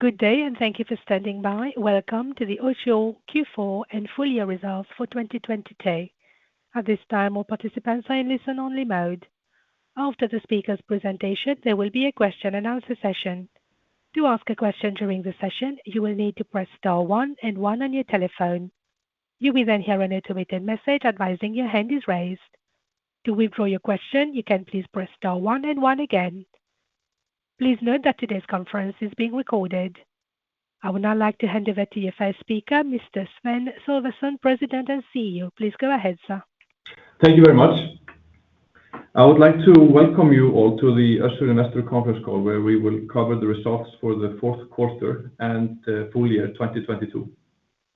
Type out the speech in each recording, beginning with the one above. Good day and thank you for standing by. Welcome to the Össur Q4 and full year results for 2022. At this time, all participants are in listen only mode. After the speaker's presentation, there will be a question and answer session. To ask a question during the session, you will need to press star 1 and 1 on your telephone. You will then hear an automated message advising your hand is raised. To withdraw your question, you can please press star 1 and 1 again. Please note that today's conference is being recorded. I would now like to hand over to your first speaker, Mr. Sveinn Sölvason, President and CEO. Please go ahead, sir. Thank you very much. I would like to welcome you all to the Össur Investor Conference Call, where we will cover the results for the fourth quarter and full year 2022.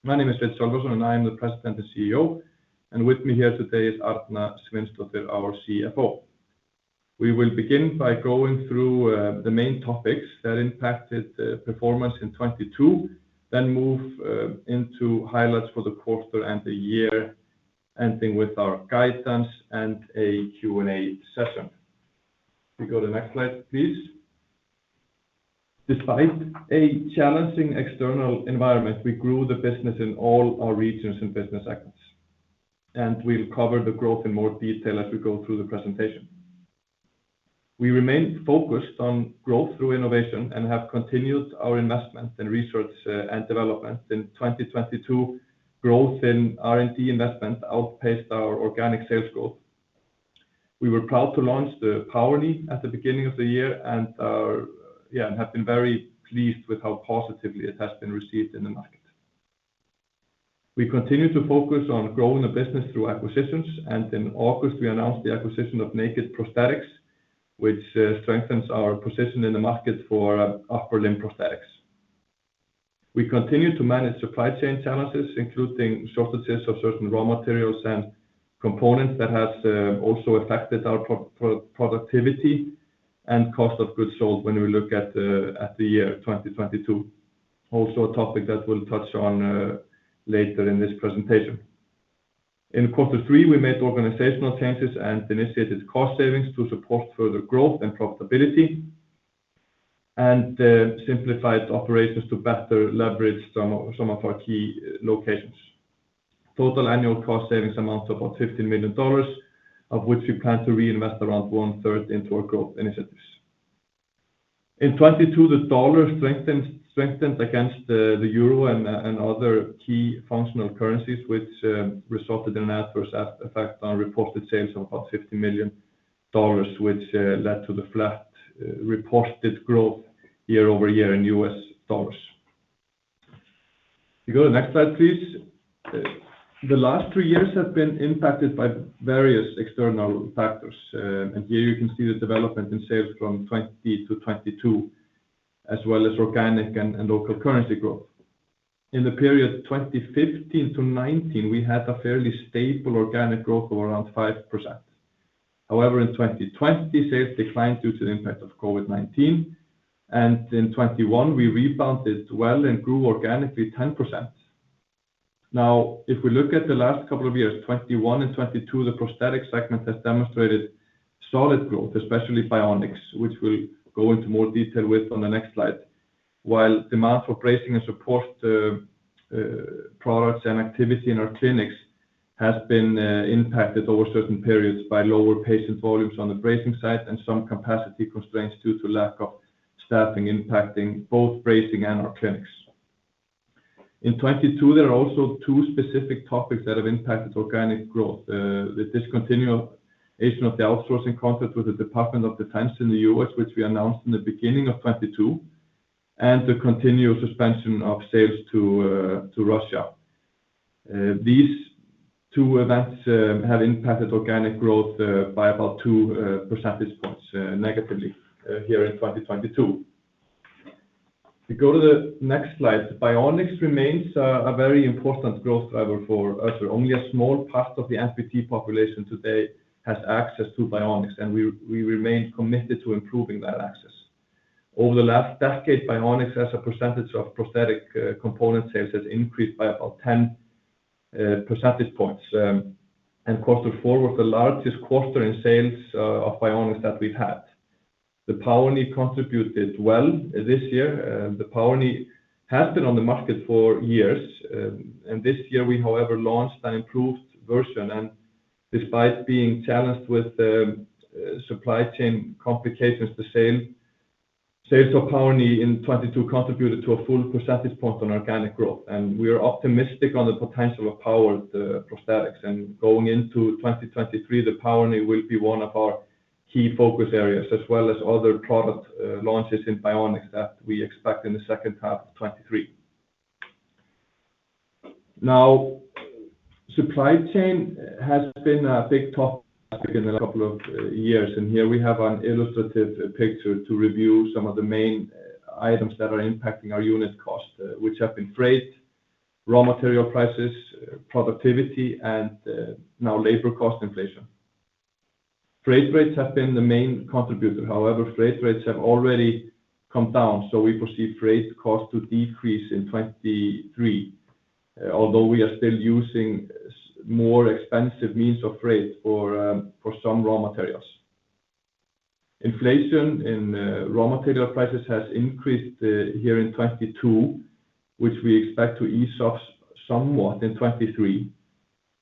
My name is Sveinn Sölvason, and I am the President and CEO. With me here today is Arna Sveinsdottir, our CFO. We will begin by going through the main topics that impacted performance in 2022, then move into highlights for the quarter and the year, ending with our guidance and a Q&A session. If we go to the next slide, please. Despite a challenging external environment, we grew the business in all our regions and business segments, and will cover the growth in more detail as we go through the presentation. We remain focused on growth through innovation and have continued our investment in research and development. In 2022 growth in R&D investment outpaced our organic sales growth. We were proud to launch the Power Knee at the beginning of the year and have been very pleased with how positively it has been received in the market. We continue to focus on growing the business through acquisitions. In August, we announced the acquisition of Naked Prosthetics, which strengthens our position in the market for upper limb prosthetics. We continue to manage supply chain challenges, including shortages of certain raw materials and components that has also affected our productivity and cost of goods sold when we look at the year 2022. Also a topic that we'll touch on later in this presentation. In quarter three, we made organizational changes and initiated cost savings to support further growth and profitability, and simplified operations to better leverage some of our key locations. Total annual cost savings amount to about $15 million, of which we plan to reinvest around one-third into our growth initiatives. In 2022, the dollar strengthened against the euro and other key functional currencies, which resulted in adverse effect on reported sales of about $50 million, which led to the flat reported growth year-over-year in US dollars. If we go to the next slide, please. The last three years have been impacted by various external factors. Here you can see the development in sales from 2020 to 2022, as well as organic and local currency growth. In the period 2015-2019, we had a fairly stable organic growth of around 5%. In 2020, sales declined due to the impact of COVID-19, and in 2021, we rebounded well and grew organically 10%. If we look at the last couple of years, 2021 and 2022, the prosthetic segment has demonstrated solid growth, especially bionics, which we'll go into more detail with on the next slide. Demand for bracing and support products and activity in our clinics has been impacted over certain periods by lower patient volumes on the bracing side and some capacity constraints due to lack of staffing impacting both bracing and our clinics. In 2022, there are also two specific topics that have impacted organic growth. The discontinuation of the outsourcing contract with the Department of Defense in the U.S., which we announced in the beginning of 2022, and the continued suspension of sales to Russia. These two events have impacted organic growth by about 2 percentage points negatively here in 2022. If we go to the next slide. Bionics remains a very important growth driver for us. Only a small part of the amputee population today has access to bionics, and we remain committed to improving that access. Over the last decade, bionics as a percentage of prosthetic component sales has increased by about 10 percentage points. Q4 was the largest quarter in sales of bionics that we've had. The Power Knee contributed well this year. The Power Knee has been on the market for years. This year, we, however, launched an improved version, and despite being challenged with supply chain complications to sale, sales of Power Knee in 2022 contributed to a 1 percentage point on organic growth. We are optimistic on the potential of powered prosthetics. Going into 2023, the Power Knee will be one of our key focus areas, as well as other product launches in bionics that we expect in the second half of 2023. Now, supply chain has been a big topic in a couple of years, and here we have an illustrative picture to review some of the main items that are impacting our unit cost, which have been freight, raw material prices, productivity, and now labor cost inflation. Freight rates have been the main contributor. Freight rates have already come down, so we foresee freight costs to decrease in 2023. Although we are still using more expensive means of freight for some raw materials. Inflation in raw material prices has increased here in 2022, which we expect to ease off somewhat in 2023.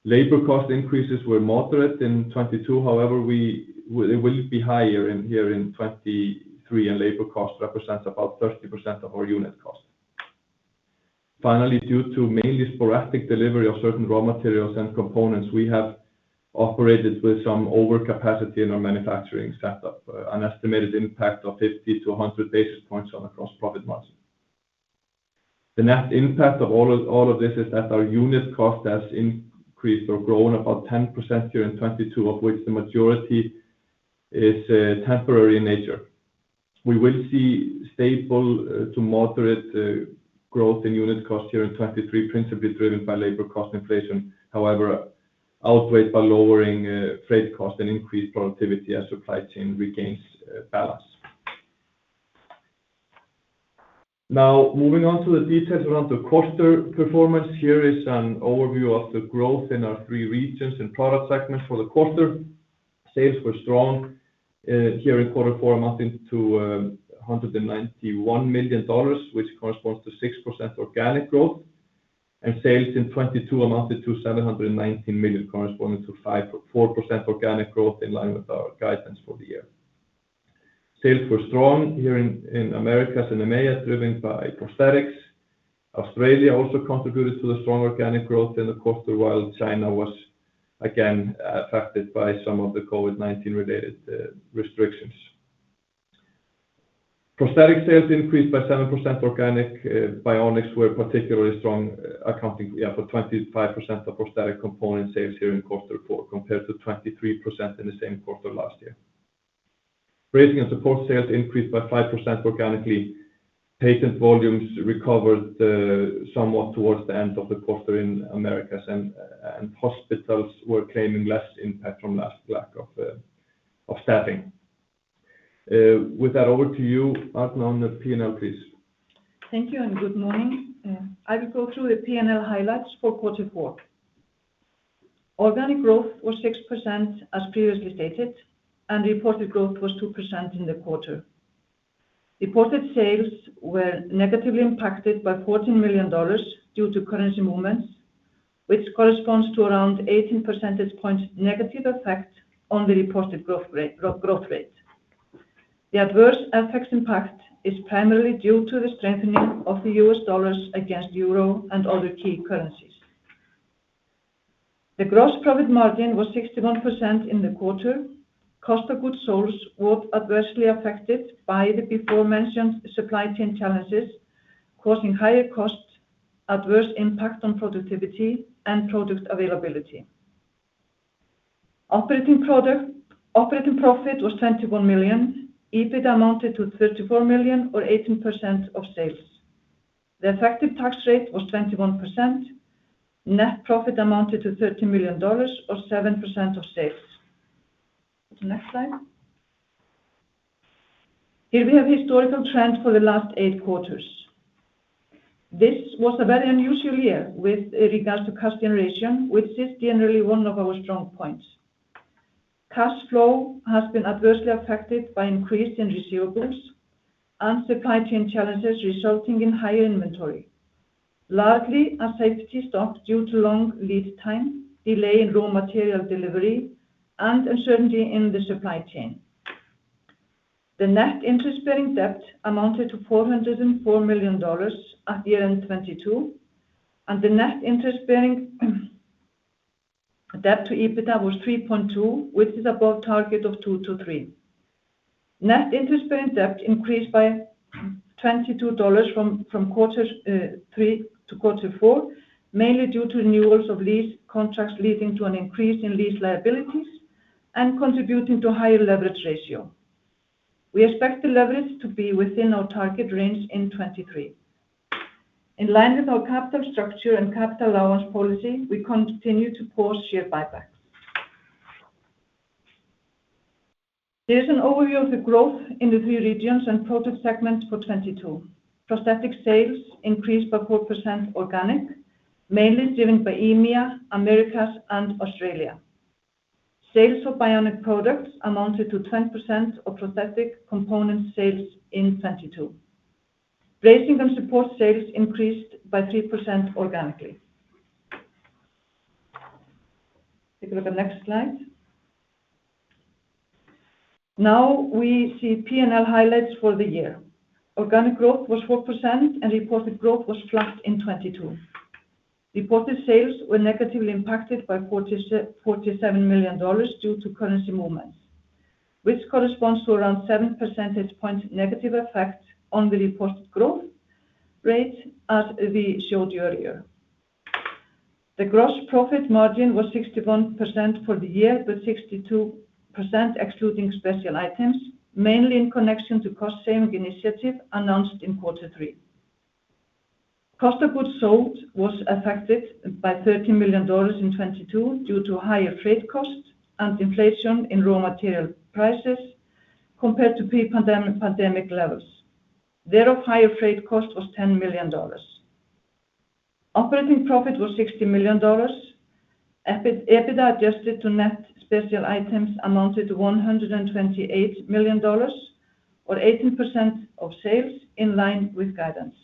Labor cost increases were moderate in 2022. However, it will be higher in here in 2023, and labor cost represents about 30% of our unit cost. Due to mainly sporadic delivery of certain raw materials and components, we have operated with some overcapacity in our manufacturing setup, an estimated impact of 50 to 100 basis points on the gross profit margin. The net impact of all of this is that our unit cost has increased or grown about 10% here in 2022, of which the majority is temporary in nature. We will see stable to moderate growth in unit cost here in 2023, principally driven by labor cost inflation, however, outweighed by lowering freight cost and increased productivity as supply chain regains balance. Moving on to the details around the quarter performance. Here is an overview of the growth in our three regions and product segments for the quarter. Sales were strong here in quarter four, amounting to $191 million, which corresponds to 6% organic growth. Sales in 2022 amounted to $719 million, corresponding to 5% or 4% organic growth in line with our guidance for the year. Sales were strong here in Americas and EMEA, driven by prosthetics. Australia also contributed to the strong organic growth in the quarter while China was again affected by some of the COVID-19 related restrictions. Prosthetic sales increased by 7% organic. bionics were particularly strong accounting, yeah, for 25% of prosthetic component sales here in quarter 4 compared to 23% in the same quarter last year. Bracing and support sales increased by 5% organically. Patient volumes recovered somewhat towards the end of the quarter in Americas and hospitals were claiming less impact from last lack of staffing. With that, over to you, Arna, on the P&L, please. Thank you and good morning. I will go through the P&L highlights for quarter four. Organic growth was 6% as previously stated, reported growth was 2% in the quarter. Reported sales were negatively impacted by $14 million due to currency movements, which corresponds to around 18 percentage points negative effect on the reported growth rate. The adverse FX impact is primarily due to the strengthening of the US dollars against euro and other key currencies. The gross profit margin was 61% in the quarter. Cost of goods sold was adversely affected by the beforementioned supply chain challenges, causing higher costs, adverse impact on productivity and product availability. Operating profit was $21 million. EBIT amounted to $34 million or 18% of sales. The effective tax rate was 21%. Net profit amounted to $13 million or 7% of sales. Next slide. Here we have historical trend for the last eight quarters. This was a very unusual year with regards to cash generation, which is generally one of our strong points. Cash flow has been adversely affected by increase in receivables and supply chain challenges resulting in higher inventory, largely a safety stock due to long lead time, delay in raw material delivery, and uncertainty in the supply chain. The net interest-bearing debt amounted to $404 million at year-end 2022, and the net interest-bearing debt to EBITDA was 3.2, which is above target of 2 to 3. Net interest-bearing debt increased by $22 from quarters 3 to quarter 4, mainly due to renewals of lease contracts leading to an increase in lease liabilities and contributing to higher leverage ratio. We expect the leverage to be within our target range in 2023. In line with our capital structure and capital allowance policy, we continue to pause share buybacks. Here's an overview of the growth in the three regions and product segments for 2022. Prosthetic sales increased by 4% organic, mainly driven by EMEA, Americas, and Australia. Sales for bionic products amounted to 10% of prosthetic component sales in 2022. Bracing and support sales increased by 3% organically. Take a look at next slide. Now we see P&L highlights for the year. Organic growth was 4% and reported growth was flat in 2022. Reported sales were negatively impacted by $47 million due to currency movements, which corresponds to around 7 percentage points negative effect on the reported growth rate as we showed you earlier. The gross profit margin was 61% for the year, but 62% excluding special items, mainly in connection to cost-saving initiative announced in Q3. Cost of goods sold was affected by $13 million in 2022 due to higher freight cost and inflation in raw material prices compared to pre-pandemic levels. Thereof, higher freight cost was $10 million. Operating profit was $60 million. EBITDA adjusted to net special items amounted to $128 million or 18% of sales in line with guidance.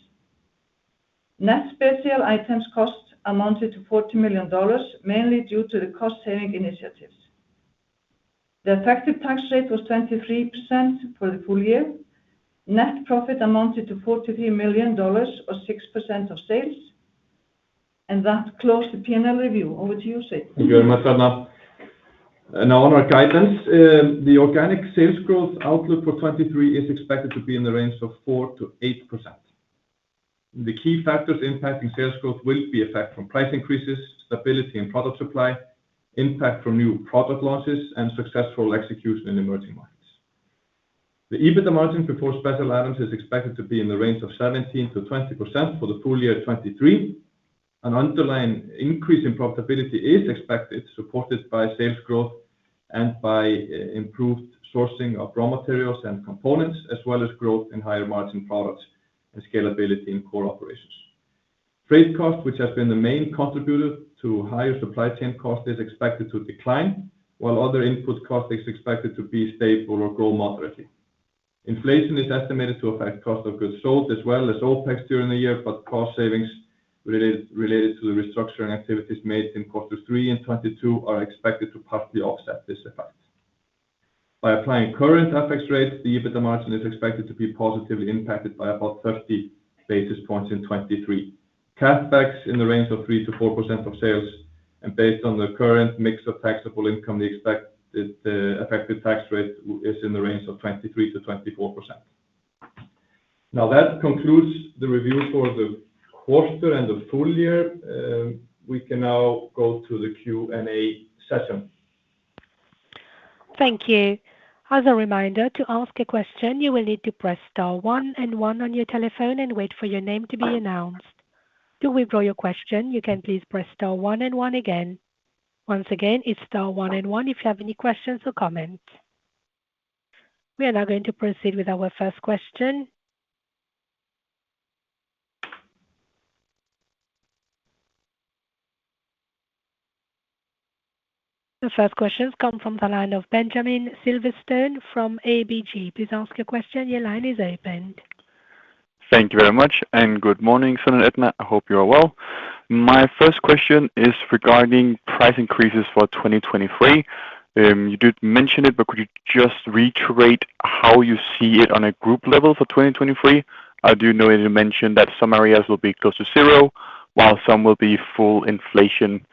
Net special items costs amounted to $40 million, mainly due to the cost-saving initiatives. The effective tax rate was 23% for the full year. Net profit amounted to $43 million or 6% of sales. That closed the P&L review. Over to you, Sveinn. Thank you very much, Arna. Now on our guidance, the organic sales growth outlook for 2023 is expected to be in the range of 4%-8%. The key factors impacting sales growth will be effect from price increases, stability in product supply, impact from new product launches, and successful execution in emerging markets. The EBITDA margin before special items is expected to be in the range of 17%-20% for the full year 2023. An underlying increase in profitability is expected, supported by sales growth and by improved sourcing of raw materials and components, as well as growth in higher margin products and scalability in core operations. Freight costs, which has been the main contributor to higher supply chain costs, is expected to decline, while other input cost is expected to be stable or grow moderately. Inflation is estimated to affect cost of goods sold as well as OpEx during the year, cost savings related to the restructuring activities made in Q3 in 2022 are expected to partly offset this effect. By applying current FX rates, the EBITDA margin is expected to be positively impacted by about 30 basis points in 2023. Cash backs in the range of 3%-4% of sales and based on the current mix of taxable income, the expected effective tax rate is in the range of 23%-24%. That concludes the review for the quarter and the full year. We can now go to the Q&A session. Thank you. As a reminder, to ask a question, you will need to press star one and one on your telephone and wait for your name to be announced. To withdraw your question, you can please press star one and one again. Once again, it's star one and one if you have any questions or comments. We are now going to proceed with our first question. The first question comes from the line of Benjamin Silverstone from ABG. Please ask your question. Your line is open. Thank you very much. Good morning, Sveinn and Arna. I hope you are well. My first question is regarding price increases for 2023. You did mention it, could you just reiterate how you see it on a group level for 2023? I do know that you mentioned that some areas will be close to zero, while some will be full inflation,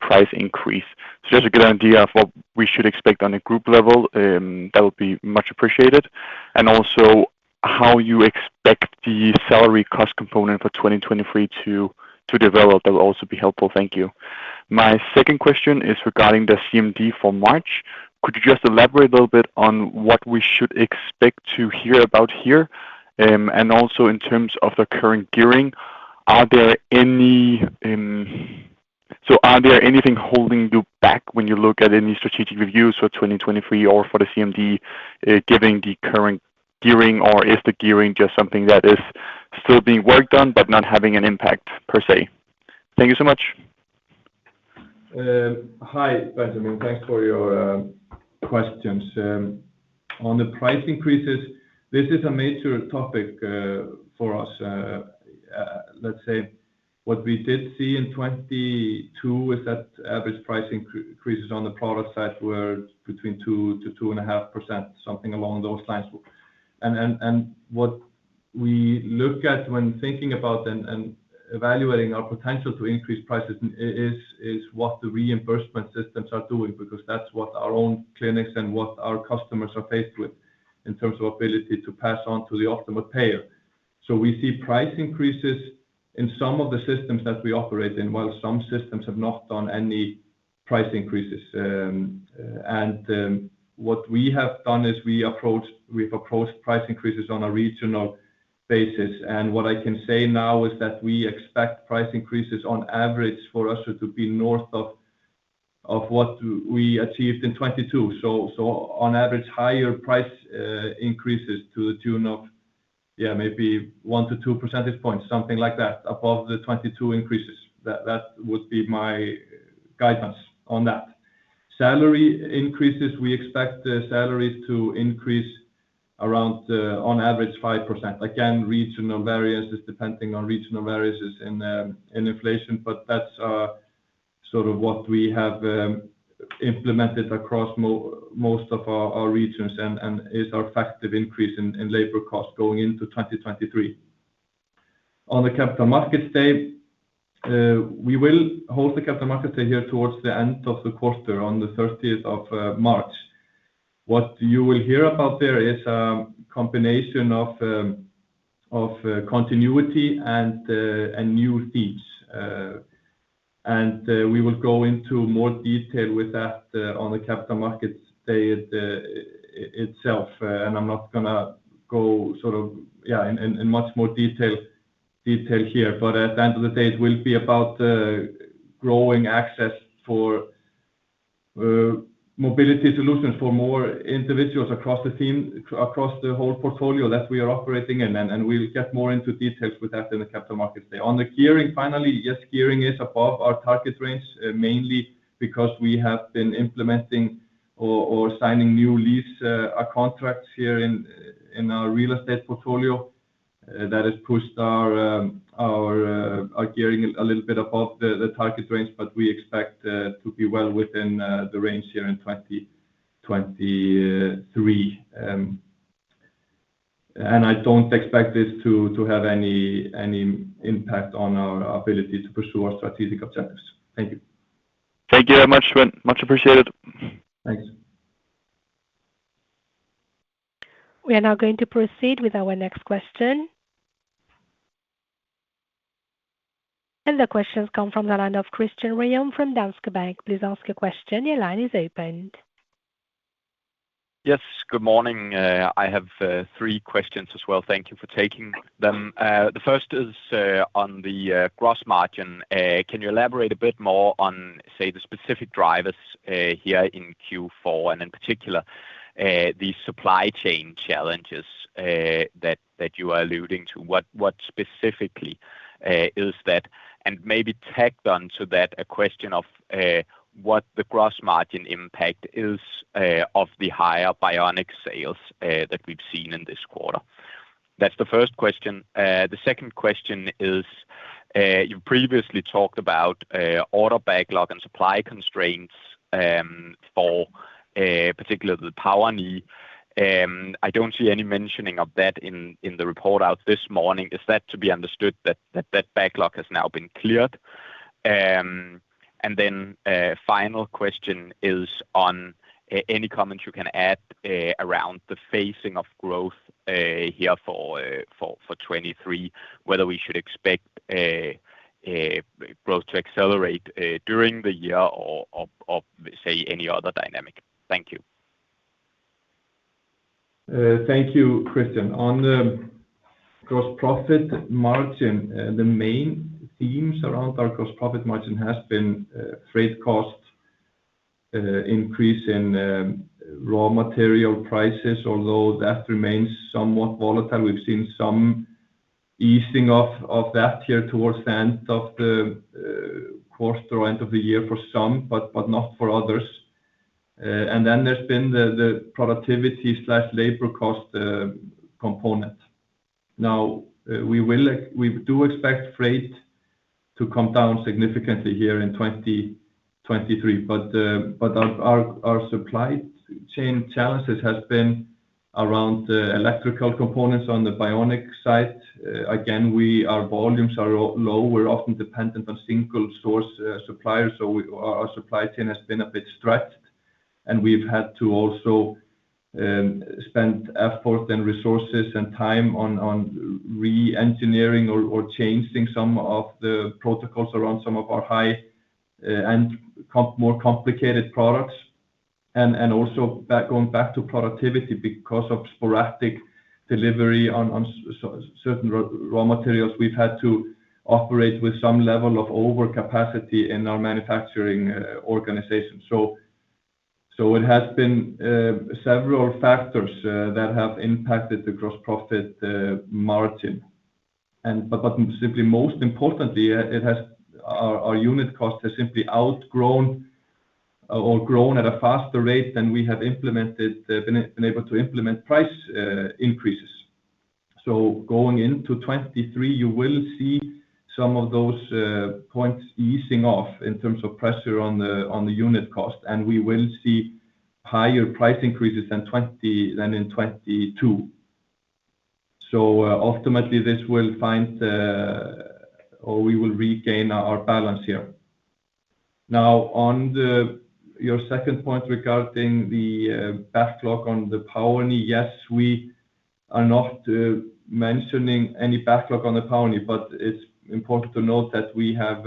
price increase. Just to get an idea of what we should expect on a group level, that would be much appreciated. Also how you expect the salary cost component for 2023 to develop, that will also be helpful. Thank you. My second question is regarding the CMD for March. Could you just elaborate a little bit on what we should expect to hear about here? Also in terms of the current gearing, are there any? Are there anything holding you back when you look at any strategic reviews for 2023 or for the CMD, given the current gearing, or is the gearing just something that is still being worked on but not having an impact per se? Thank you so much. Hi, Benjamin. Thanks for your questions. On the price increases, this is a major topic for us. Let's say what we did see in 2022 is that average price increases on the product side were between 2%-2.5%, something along those lines. What we look at when thinking about and evaluating our potential to increase prices is what the reimbursement systems are doing, because that's what our own clinics and what our customers are faced with in terms of ability to pass on to the ultimate payer. We see price increases in some of the systems that we operate in, while some systems have not done any price increases. What we have done is we've approached price increases on a regional basis. What I can say now is that we expect price increases on average for us to be north of what we achieved in 2022. On average, higher price increases to the tune of, yeah, maybe 1-2 percentage points, something like that, above the 2022 increases. That would be my guidance on that. Salary increases, we expect the salaries to increase around on average 5%. Again, regional variances depending on regional variances in inflation, but that's sort of what we have implemented across most of our regions and is our effective increase in labor cost going into 2023. The Capital Markets Day, we will hold the Capital Markets Day here towards the end of the quarter on the 13th of March. What you will hear about there is a combination of continuity and new themes. We will go into more detail with that on the Capital Markets Day itself. I'm not gonna go in much more detail here. At the end of the day, it will be about growing access for mobility solutions for more individuals across the team, across the whole portfolio that we are operating in, and we'll get more into details with that in the Capital Markets Day. On the gearing, finally, yes, gearing is above our target range, mainly because we have been implementing or signing new lease or contracts here in our real estate portfolio. That has pushed our gearing a little bit above the target range, but we expect to be well within the range here in 2023. I don't expect this to have any impact on our ability to pursue our strategic objectives. Thank you. Thank you very much, Sveinn. Much appreciated. Thanks. We are now going to proceed with our next question. The question comes from the line of Christian Rasmussen from Danske Bank. Please ask your question. Your line is open. Yes. Good morning. I have 3 questions as well. Thank you for taking them. The first is on the gross margin. Can you elaborate a bit more on, say, the specific drivers here in Q4 and in particular, the supply chain challenges that you are alluding to? What specifically is that? And maybe tagged on to that, a question of what the gross margin impact is of the higher bionic sales that we've seen in this quarter. That's the first question. The second question is, you previously talked about order backlog and supply constraints for particularly the Power Knee. I don't see any mentioning of that in the report out this morning. Is that to be understood that that backlog has now been cleared? Then a final question is on any comments you can add, around the phasing of growth, here for 2023, whether we should expect growth to accelerate during the year or of say, any other dynamic. Thank you. Thank you, Christian. On the gross profit margin, the main themes around our gross profit margin has been freight costs, increase in raw material prices, although that remains somewhat volatile. We've seen some easing off of that here towards the end of the quarter or end of the year for some, but not for others. And then there's been the productivity/labor cost component. Now, we do expect freight to come down significantly here in 2023, but our supply chain challenges has been around electrical components on the bionic side. Again, our volumes are low. We're often dependent on single source suppliers, so our supply chain has been a bit stretched, and we've had to also spend effort and resources and time on re-engineering or changing some of the protocols around some of our high and more complicated products. Also going back to productivity, because of sporadic delivery on certain raw materials, we've had to operate with some level of overcapacity in our manufacturing organization. It has been several factors that have impacted the gross profit margin. Simply most importantly, it has our unit cost has simply outgrown or grown at a faster rate than we have implemented, been able to implement price increases. Going into 2023, you will see some of those points easing off in terms of pressure on the, on the unit cost, and we will see higher price increases than in 2022. Ultimately this will find, or we will regain our balance here. On your second point regarding the backlog on the Power Knee, yes, we are not mentioning any backlog on the Power Knee, but it's important to note that we have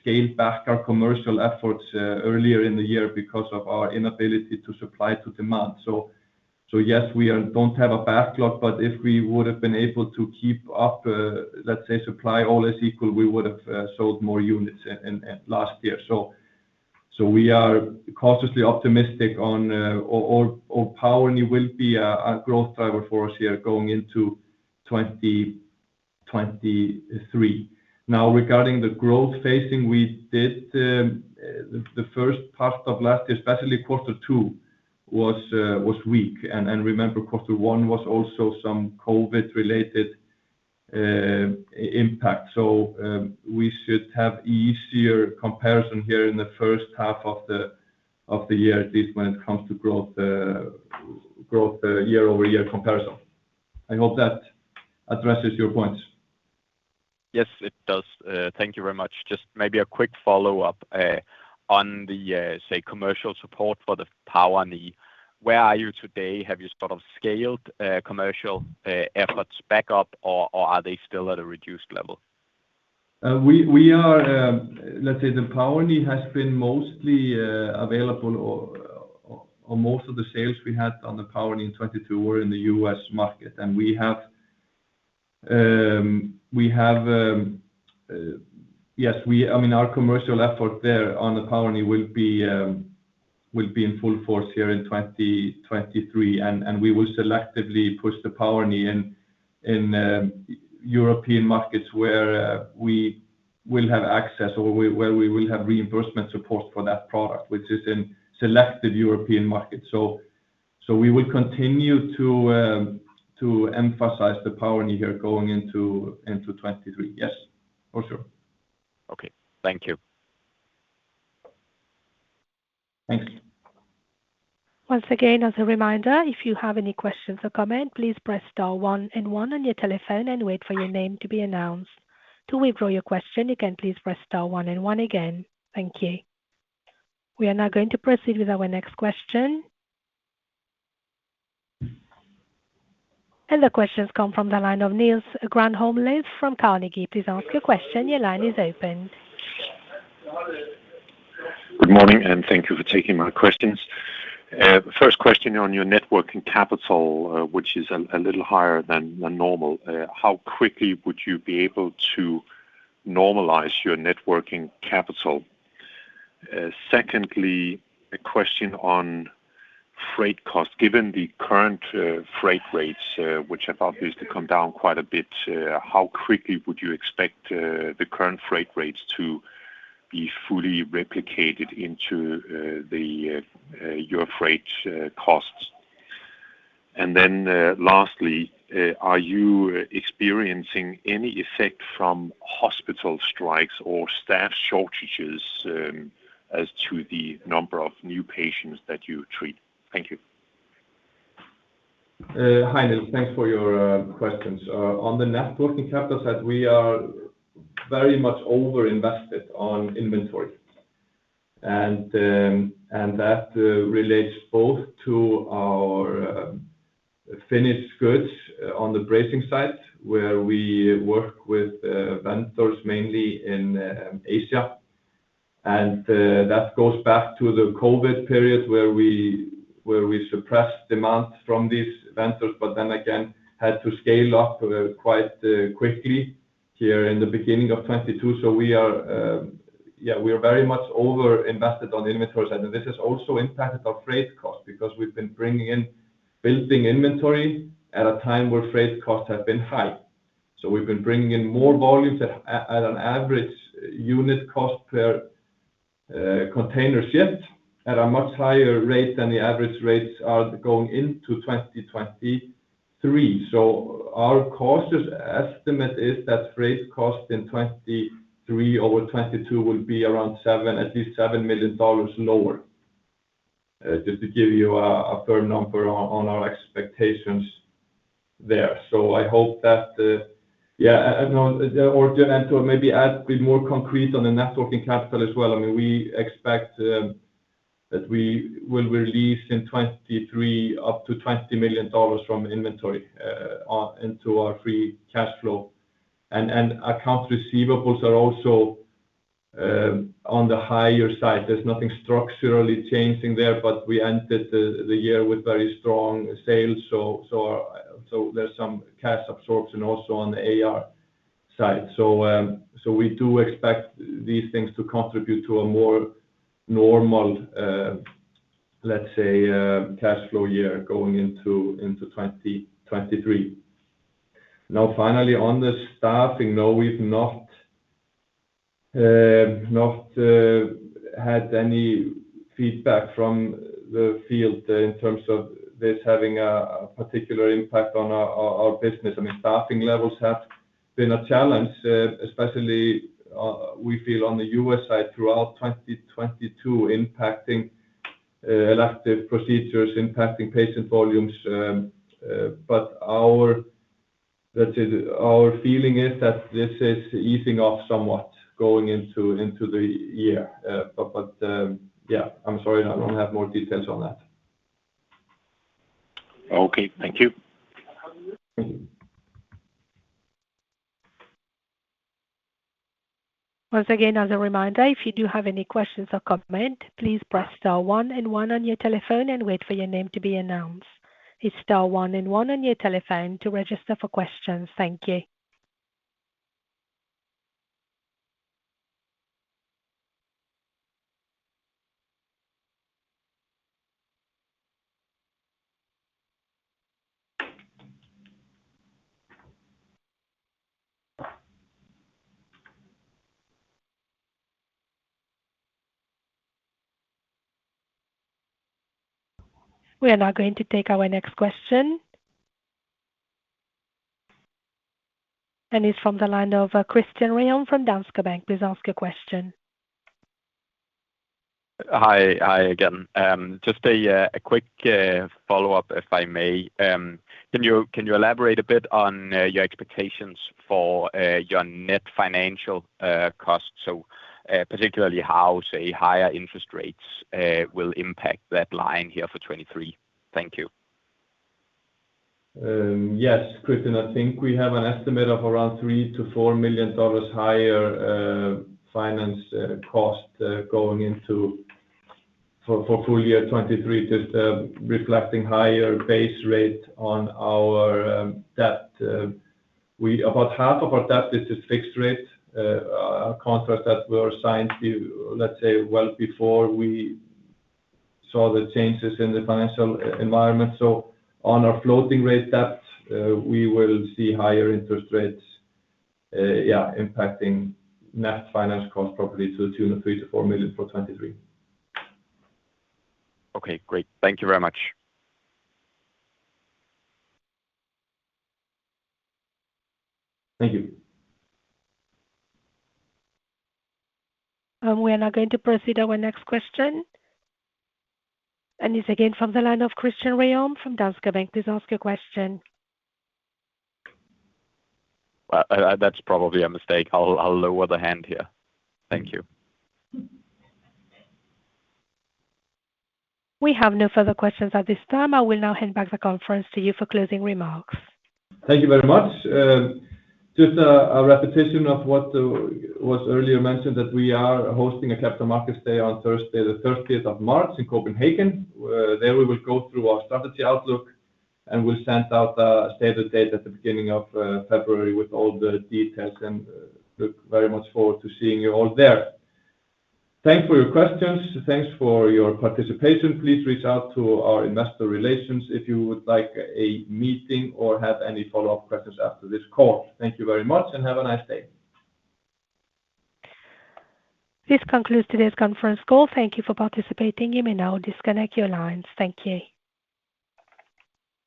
scaled back our commercial efforts earlier in the year because of our inability to supply to demand. Yes, we don't have a backlog, but if we would have been able to keep up, let's say supply all is equal, we would have sold more units in last year. We are cautiously optimistic on Power Knee will be a growth driver for us here going into 2023. Now, regarding the growth phasing we did, the first part of last year, especially quarter two, was weak. Remember, quarter one was also some COVID-related impact. We should have easier comparison here in the first half of the year, at least when it comes to growth year-over-year comparison. I hope that addresses your points. Yes, it does. Thank you very much. Just maybe a quick follow-up on the say, commercial support for the Power Knee? Where are you today? Have you sort of scaled commercial efforts back up or are they still at a reduced level? We are, let's say the Power Knee has been mostly available or most of the sales we had on the Power Knee in 2022 were in the U.S. market, and we have. Yes, I mean, our commercial effort there on the Power Knee will be in full force here in 2023, and we will selectively push the Power Knee in European markets where we will have access or where we will have reimbursement support for that product, which is in selected European markets. So we will continue to emphasize the Power Knee here going into 2023. Yes, for sure. Okay. Thank you. Thanks. Once again, as a reminder, if you have any questions or comment, please press star one and one on your telephone and wait for your name to be announced. To withdraw your question, you can please press star one and one again. Thank you. We are now going to proceed with our next question. The question's come from the line of Niels Granholm-Leth from Carnegie. Please ask your question. Your line is open. Good morning, thank you for taking my questions. The first question on your networking capital, which is a little higher than normal. How quickly would you be able to normalize your networking capital? Secondly, a question on freight costs. Given the current freight rates, which I thought used to come down quite a bit, how quickly would you expect the current freight rates to be fully replicated into your freight costs? Then lastly, are you experiencing any effect from hospital strikes or staff shortages, as to the number of new patients that you treat? Thank you. Hi, Niels. Thanks for your questions. On the networking capital side, we are very much over-invested on inventory. That relates both to our finished goods on the bracing side, where we work with vendors mainly in Asia. That goes back to the COVID-19 period where we suppressed demand from these vendors, but then again had to scale up quite quickly here in the beginning of 2022. We are, yeah, we are very much over-invested on the inventory side. This has also impacted our freight cost because we've been bringing in, building inventory at a time where freight costs have been high. We've been bringing in more volumes at an average unit cost per container shipped at a much higher rate than the average rates are going into 2023. Our cautious estimate is that freight cost in 23 over 22 will be at least $7 million lower, just to give you a firm number on our expectations there. I hope that, yeah, and to maybe add a bit more concrete on the networking capital as well, I mean, we expect that we will release in 23 up to $20 million from inventory, into our free cash flow. Accounts receivables are also on the higher side. There's nothing structurally changing there. We ended the year with very strong sales, so there's some cash absorption also on the AR side. We do expect these things to contribute to a more normal, let's say, cash flow year going into 2023. Finally, on the staffing, no, we've not had any feedback from the field in terms of this having a particular impact on our business. I mean, staffing levels have been a challenge, especially, we feel on the U.S. side throughout 2022 impacting elective procedures, impacting patient volumes. Our feeling is that this is easing off somewhat going into the year. Yeah. I'm sorry I don't have more details on that. Okay. Thank you. Thank you. Once again, as a reminder, if you do have any questions or comment, please press star one and one on your telephone and wait for your name to be announced. It's star one and one on your telephone to register for questions. Thank you. We are now going to take our next question. It's from the line of Christian Rasmussen from Danske Bank. Please ask your question. Hi. Hi again. Just a quick follow-up, if I may. Can you elaborate a bit on your expectations for your net financial costs? Particularly how, say, higher interest rates will impact that line here for 23. Thank you. Yes, Christian. I think we have an estimate of around $3 million-$4 million higher finance cost going into for full year 2023, just reflecting higher base rate on our debt. About half of our debt is a fixed rate contract that were signed let's say well before we saw the changes in the financial e-environment. On our floating rate debt, we will see higher interest rates, yeah, impacting net financial cost probably to the tune of $3 million-$4 million for 2023. Okay. Great. Thank you very much. Thank you. We are now going to proceed to our next question. It's again from the line of Christian Rasmussen from Danske Bank. Please ask your question. That's probably a mistake. I'll lower the hand here. Thank you. We have no further questions at this time. I will now hand back the conference to you for closing remarks. Thank you very much. Just a repetition of what was earlier mentioned that we are hosting a Capital Markets Day on Thursday, the thirtieth of March in Copenhagen. There we will go through our strategy outlook, and we'll send out a save the date at the beginning of February with all the details and look very much forward to seeing you all there. Thanks for your questions. Thanks for your participation. Please reach out to our investor relations if you would like a meeting or have any follow-up questions after this call. Thank you very much and have a nice day. This concludes today's conference call. Thank Thank you for participating. You may now disconnect your lines. Thank you.